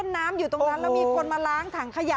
น้ำอยู่ตรงนั้นแล้วมีคนมาล้างถังขยะ